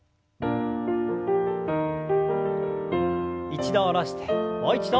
一度下ろしてもう一度。